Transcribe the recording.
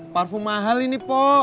parfum mahal ini po